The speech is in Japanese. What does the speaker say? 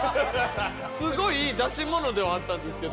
すごいいい出し物ではあったんですけど。